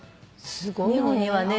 日本にはね。